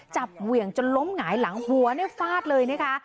เหวี่ยงจนล้มหงายหลังหัวฟาดเลยนะคะ